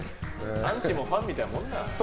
アンチもファンみたいなもんだから。